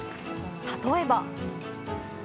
例えば。